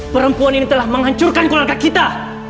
perempuan ini telah menghancurkan keluarga kita